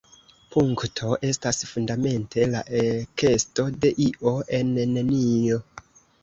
Punkto estas fundamente la ekesto de “io” en “nenio”.